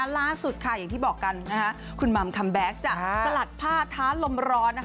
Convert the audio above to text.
ล่าสุดค่ะอย่างที่บอกกันคุณหม่ำคัมแบ็คสลัดผ้าท้าลมร้อน